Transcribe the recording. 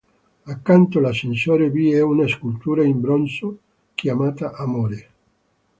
Accanto all'ascensore vi è una scultura in bronzo chiamata Amore.